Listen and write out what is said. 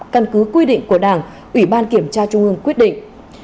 căn cứ quy định của đảng ủy ban kiểm tra trung ương quyết định